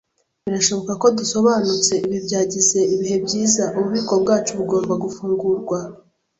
birashoboka ko dusobanutse. Ibibi byagize ibihe byiza; ububiko bwacu bugomba gufungurwa.